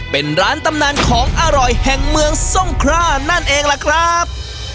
เป็นร้านตำนานของอร่อยแห่งเมืองทรงคร่านั่นเองล่ะครับ